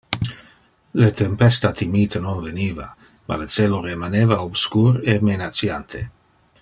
Le tempesta timite non veniva, ma le celo remaneva obscur e menaciante.